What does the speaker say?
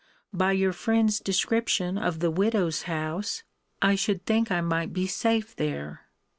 By your friend's description of the widow's house, I should think I might be safe there.